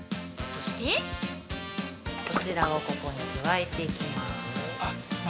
そして◆こちらをここに加えていきます。